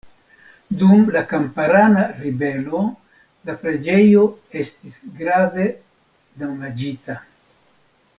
Dum la Kamparana ribelo la preĝejo estis grave damaĝita.